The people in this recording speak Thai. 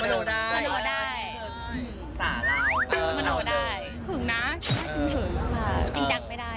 มะโนได้หึงนะจริงจังไม่ได้